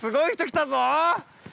来たぞ。